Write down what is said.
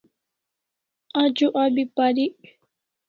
Ajo abi parik